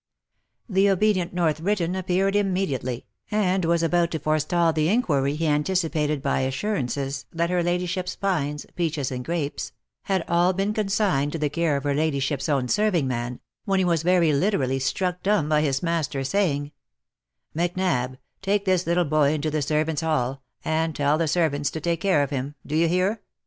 The obedient North Briton appeared immediately, and was about to forestal the inquiry he anticipated by assurances that her lady ship's pines, peaches, and grapes, had all been consigned to the care of her ladyship's own serving man, when he was very literally struck dumb by his master saying —" Macnab, take this lttle boy into the servants' hall, and tell the servants to take care of him — do you hear